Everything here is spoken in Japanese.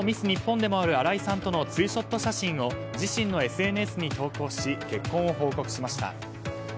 日本でもある新井さんとのツーショット写真を自身のＳＮＳに投稿し結婚を報告しました。